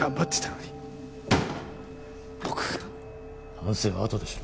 反省はあとでしろ。